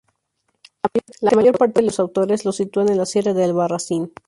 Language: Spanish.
La mayor parte de los autores los sitúan en la sierra de Albarracín.